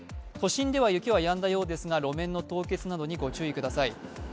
都心では雪はやんだようですが路面の凍結などにご注意ください。